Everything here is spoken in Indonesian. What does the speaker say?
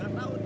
gak tahu tuh